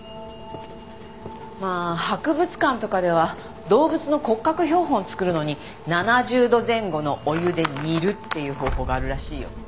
まあ博物館とかでは動物の骨格標本作るのに７０度前後のお湯で煮るっていう方法があるらしいよ。